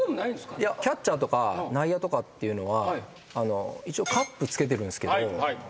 キャッチャーとか内野とかっていうのは一応カップつけてるんすけど。